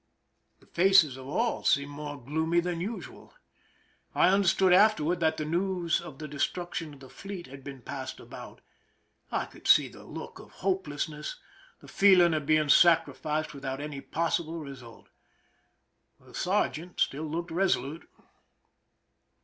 The faces of all seemed more gloomy 290 PRISON LIFE THE SIEGE than usual. I understood afterward that the news of the destruction of the fleet had been passed about. I could see the look of hopelessness— the feeling of being sacrificed without any possible re sult. The sergeant still looked resolute.